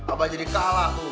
abah jadi kalah tuh